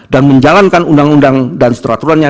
dan menjalankan undang undang dan seteraturannya